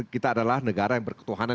kita adalah negara yang berketuhanan